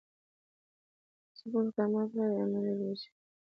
ځپونکي اقدامات غیر عملي برېښي.